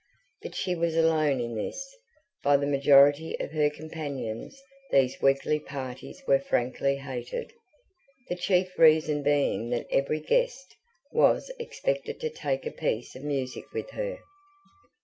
But she was alone in this; by the majority of her companions these weekly parties were frankly hated, the chief reason being that every guest was expected to take a piece of music with her.